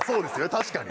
確かに。